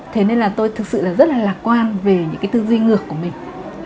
thế nên là tôi thực sự là rất là lạc quan về những cái tư duy ngược của mình